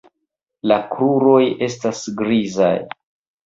La kruroj estas grizaj.